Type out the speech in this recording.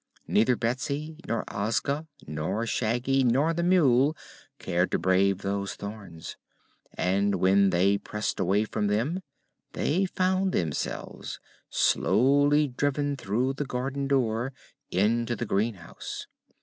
Neither Betsy nor Ozga nor Shaggy nor the mule cared to brave those thorns and when they pressed away from them they found themselves slowly driven through the garden door into the greenhouse.